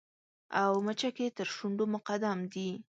او مچکې تر شونډو مقدم دې